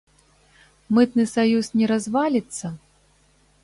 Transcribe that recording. Мытны саюз не разваліцца?